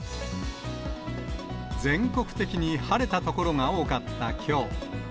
全国的に晴れた所が多かったきょう。